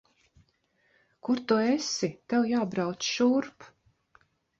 Kur tu esi? Tev jābrauc šurp.